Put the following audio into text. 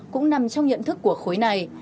cũng nằm trong nhận thức của khối này